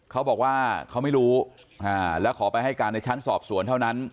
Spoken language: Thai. เขาบอกว่าเขาไม่รู้แล้วขอไปให้การในชั้นสอบสวนเท่านั้น